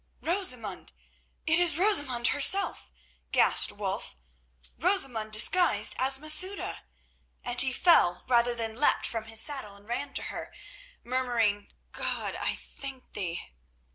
"Rosamund! It is Rosamund herself!" gasped Wulf. "Rosamund disguised as Masouda!" And he fell rather than leapt from his saddle and ran to her, murmuring, "God! I thank Thee!"